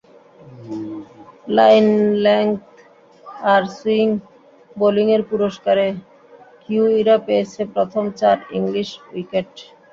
Line length আর swing বোলিংয়ের পুরস্কারে কিউইরা পেয়েছে প্রথম চার ইংলিশ উইকেট।